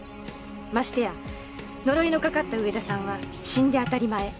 ましてや呪いのかかった上田さんは死んで当たり前。